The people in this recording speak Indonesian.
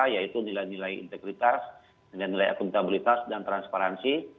yaitu nilai nilai integritas nilai nilai akuntabilitas dan transparansi